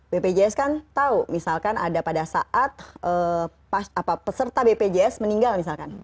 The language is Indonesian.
bpjs kan tahu misalkan ada pada saat peserta bpjs meninggal misalkan